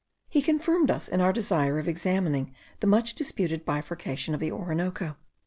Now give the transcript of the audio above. He confirmed us in our desire of examining the much disputed bifurcation of the Orinoco.